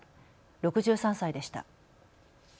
６３歳でした。